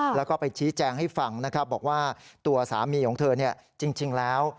แล้วก็ไปชี้แจงให้ฟังนะครับบอกว่าตัวสามีของเธอจริงแล้ว